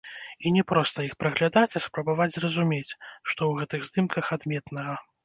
І не проста іх праглядаць, а спрабаваць зразумець, што ў гэтых здымках адметнага.